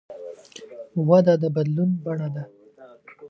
وده د بدلون بڼه ده.